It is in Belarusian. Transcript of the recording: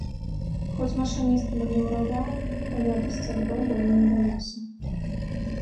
Хоць машыніст манеўраваў, але адысці ад бомбаў не ўдалося.